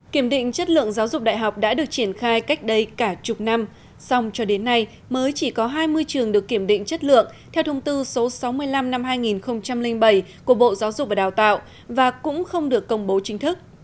kiểm định chất lượng giáo dục đại học đã được triển khai cách đây cả chục năm xong cho đến nay mới chỉ có hai mươi trường được kiểm định chất lượng theo thông tư số sáu mươi năm năm hai nghìn bảy của bộ giáo dục và đào tạo và cũng không được công bố chính thức